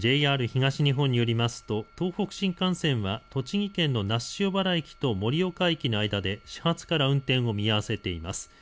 ＪＲ東日本によりますと東北新幹線は栃木県の那須塩原駅と盛岡駅の間で始発から運転を見合わせています。